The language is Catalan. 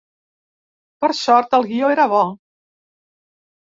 Per sort el guió era bo.